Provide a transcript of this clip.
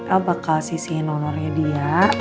el bakal sisihin honornya dia